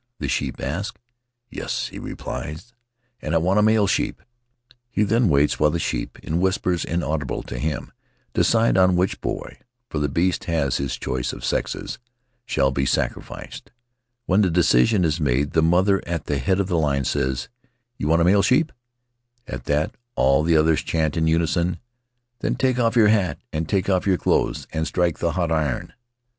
the sheep ask. "Yes," he replies, "and I want a male sheep." He then waits while the sheep — in whispers inaudible to him — decide on which boy (for the beast has his choice of sexes) shall be sacrificed. When the decision is made the mother at the head of the line says, "You want a male sheep?" At that, all the others chant in unison, "Then take off your hat, and take off your clothes, and strike the hot iron."